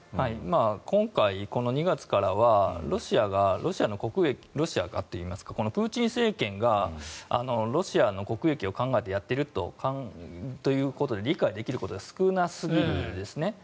今回、この２月からはロシアがといいますかプーチン政権がロシアの国益を考えてやっているということで理解できることが少なすぎるんですね。